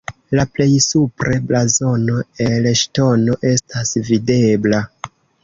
La plej supre blazono el ŝtono estas videbla.